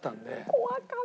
怖かった。